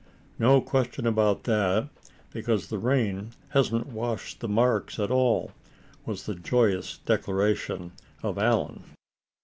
"No question about that, because the rain hasn't washed the marks at all," was the joyous declaration of Allan.